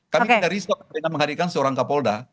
kami tidak risau menghadirkan seorang kapolda